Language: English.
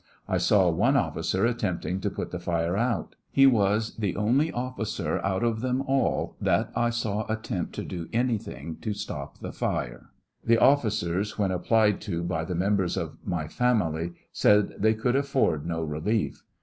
I saw one officer attempting to put the fire out. He was the only officer out of them all that I saw attempt to do anything to stop the fire. The officers, when applied to by the members of my family, said they could afford no relief.